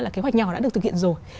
là cái hoạch nhỏ đã được thực hiện rồi